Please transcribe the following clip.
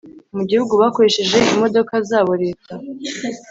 mu Gihugu bakoresheje imodoka zabo Leta